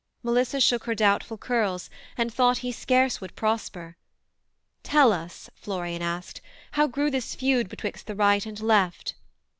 Melissa shook her doubtful curls, and thought He scarce would prosper. 'Tell us,' Florian asked, 'How grew this feud betwixt the right and left.'